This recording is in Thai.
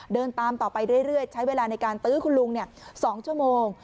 เดินตามต่อไปเรื่อยใช้เวลาในการตื้อคุณลุง๒ชั่วโมง